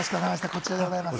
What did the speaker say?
こちらでございます。